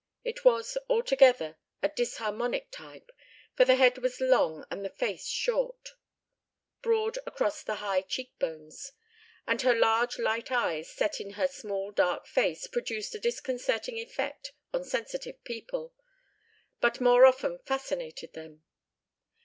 It was, altogether, a disharmonic type, for the head was long and the face short, broad across the high cheekbones; and her large light eyes set in her small dark face produced a disconcerting effect on sensitive people, but more often fascinated them.